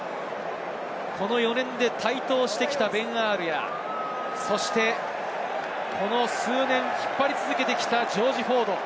４年で台頭してきたベン・アールやこの数年、引っ張り続けてきたジョージ・フォード。